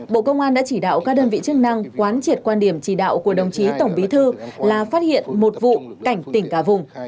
bộ công an đã chỉ đạo các đơn vị chức năng quán triệt quan điểm chỉ đạo của đồng chí tổng bí thư là phát hiện một vụ cảnh tỉnh cả vùng